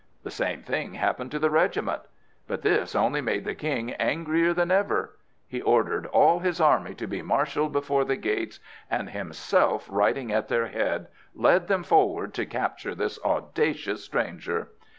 The same thing happened to the regiment. But this only made the king angrier than ever. He ordered all his army to be marshalled before the gates, and himself riding at their head, led them forward to capture this audacious stranger.